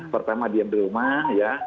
pertama diam di rumah ya